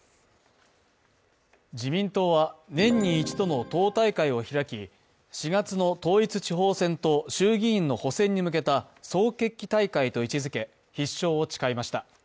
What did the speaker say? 自民党は年に１度の党大会を開き４月の統一地方選と衆議院の補選に向けた総決起大会と位置づけ必勝を誓いました。